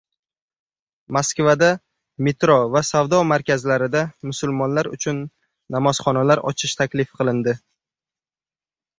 Moskvada metro va savdo markazlarida musulmonlar uchun namozxonalar ochish taklif qilindi